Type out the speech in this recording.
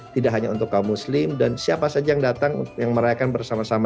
tidak hanya untuk kaum muslim dan siapa saja yang datang yang merayakan bersama sama